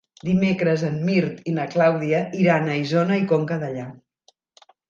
Dimecres en Mirt i na Clàudia iran a Isona i Conca Dellà.